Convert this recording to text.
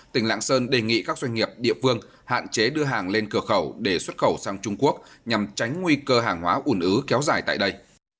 tỉnh lạng sơn đề nghị các doanh nghiệp địa phương hạn chế đưa hàng lên cửa khẩu để xuất khẩu sang trung quốc nhằm tránh nguy cơ hàng hóa ủn ứ kéo dài tại đây